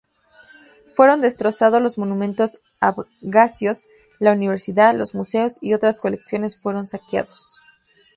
Fueron destrozados los monumentos abjasios, la universidad, los museos y otras colecciones fueron saqueados.